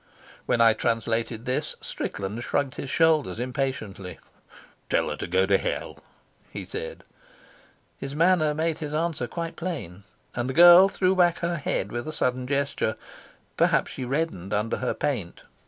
When I translated this, Strickland shrugged his shoulders impatiently. "Tell her to go to hell," he said. His manner made his answer quite plain, and the girl threw back her head with a sudden gesture. Perhaps she reddened under her paint.